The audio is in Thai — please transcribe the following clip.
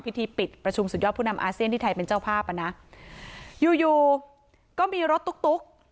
พิธีปิดประชุมสุดยอดผู้นำอาเซียนที่ไทยเป็นเจ้าภาพอ่ะนะอยู่อยู่ก็มีรถตุ๊กตุ๊ก